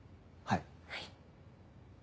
はい。